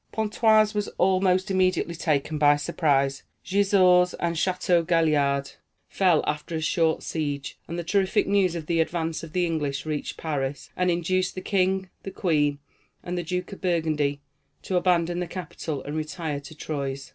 Pontoise was almost immediately taken by surprise, Gisors and Chateau Gaillard fell after a short siege, and the terrific news of the advance of the English reached Paris, and induced the King, the Queen, and the Duke of Burgundy to abandon the capital and retire to Troyes.